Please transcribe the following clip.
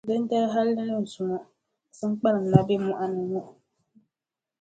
Dindali hali ni zuŋɔ ka Saŋkpaliŋ na be mɔɣu ni ŋɔ.